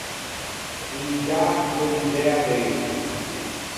Un miggiâ, doe miggiæa de euro.